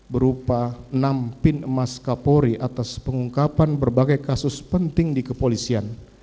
berupa enam pin emas kapolri atas pengungkapan berbagai kasus penting di kepolisian